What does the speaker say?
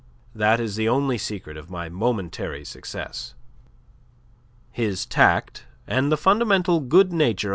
That is the only secret of my momentary success." His tact and the fundamental good nature of M.